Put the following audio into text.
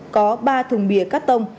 có ba thùng bìa cắt tông